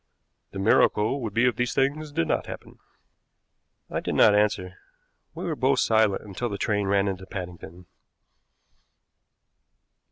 The miracle would be if these things did not happen." I did not answer. We were both silent until the train ran into Paddington.